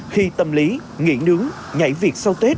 khi tâm lý nghỉ nướng nhảy việc sau tết